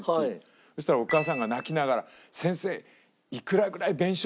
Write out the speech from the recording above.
そしたらお母さんが泣きながら。